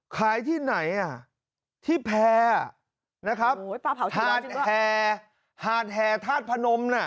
ขายที่ไหนอะที่แพร่อะหาดแห่ธาตุพนมน่ะ